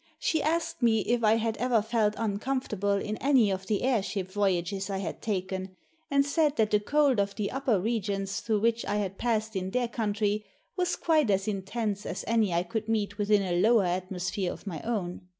She asked me if I had ever felt uncomfortable in any of the air ship voyages I had taken, and said that the cold of the upper regions through which I had passed in their country was quite as intense as any I could meet within a lower atmosphere of my own.